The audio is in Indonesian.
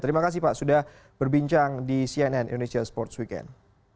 terima kasih pak sudah berbincang di cnn indonesia sports weekend